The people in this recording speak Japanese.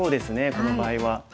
この場合は。